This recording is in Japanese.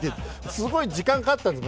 すごい時間かかったんです。